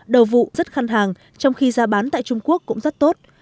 đầu vụ rất khăn hàng trong khi giá bán tại trung quốc cũng rất tốt